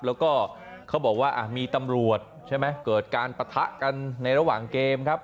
แล้วก็เขาบอกว่ามีตำรวจใช่ไหมเกิดการปะทะกันในระหว่างเกมครับ